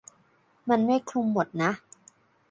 มันไม่คลุมหมดนะ